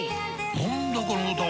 何だこの歌は！